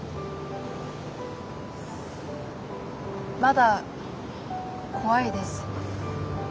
まだ怖いです。